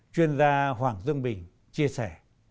chuyên gia hoàng dương bình chia sẻ